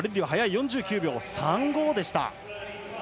４９秒３５でした。